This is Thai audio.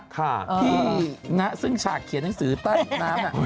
ที่ซึ่งฉากเขียนหนังสือใต้น้ำ